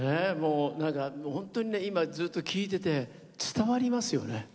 本当に、今、ずっと聴いてて伝わりますよね。